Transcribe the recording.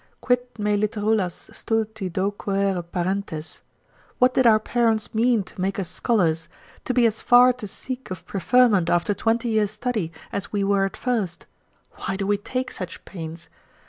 Quid me litterulas stulti docuere parentes, what did our parents mean to make us scholars, to be as far to seek of preferment after twenty years' study, as we were at first: why do we take such pains?